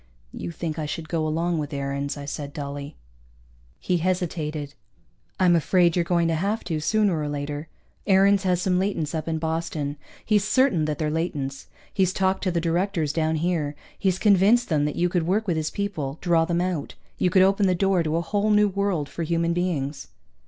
"You think I should go along with Aarons," I said dully. He hesitated. "I'm afraid you're going to have to, sooner or later. Aarons has some latents up in Boston. He's certain that they're latents. He's talked to the directors down here. He's convinced them that you could work with his people, draw them out. You could open the door to a whole new world for human beings."